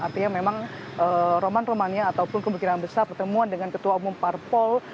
artinya memang roman romania ataupun kemungkinan besar pertemuan dengan ketua umum parpol